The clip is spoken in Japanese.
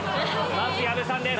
まず矢部さんです。